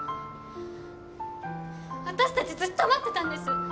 私たちずっと待ってたんです。